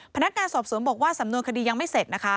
พนักงานสอบสวนบอกว่าสำนวนคดียังไม่เสร็จนะคะ